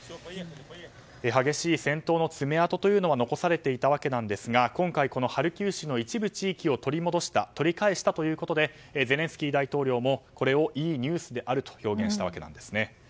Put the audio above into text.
激しい戦闘の爪痕というのが残されていたわけですが今回、ハルキウ市の一部地域を取り戻した取り返したということでゼレンスキー大統領もこれをいいニュースであると表現したわけです。